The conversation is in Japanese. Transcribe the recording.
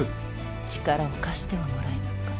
力を貸してはもらえぬか？